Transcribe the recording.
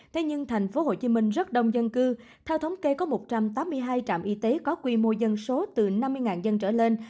thế nhưng tp hcm rất đông dân cư theo thống kê có một trăm tám mươi hai trạm y tế có quy mô dân số từ năm mươi dân trở lên